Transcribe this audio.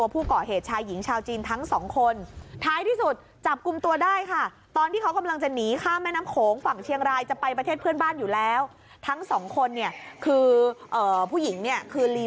ผู้หญิงคือลีมินอายุ๓๗ปี